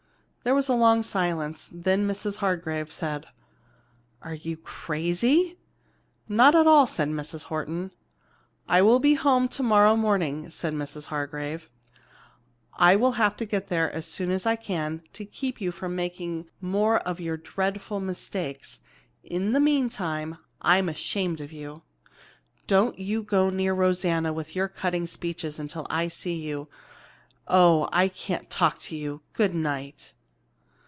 There was a long silence, then Mrs. Hargrave said, "Are you crazy?" "Not at all!" said Mrs. Horton. "I will be home to morrow morning," said Mrs. Hargrave. "I'll have to get there as soon as I can to keep you from making more of your dreadful mistakes. In the meantime, I am ashamed of you. Don't you go near Rosanna with your cutting speeches until I see you. Oh, I can't talk to you! Good night!"